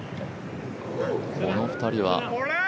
この２人は。